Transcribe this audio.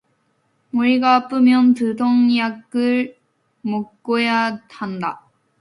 머리가 아프면 두통약을 먹어야 한다.